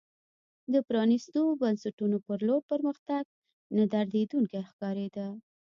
د پرانیستو بنسټونو په لور پرمختګ نه درېدونکی ښکارېده.